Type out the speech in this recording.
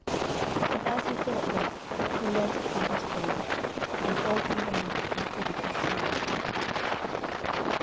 And as he thought thus, he leant upon his bow, and all through the night considered his sorrow.